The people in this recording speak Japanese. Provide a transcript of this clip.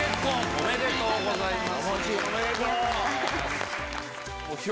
ありがとうございます。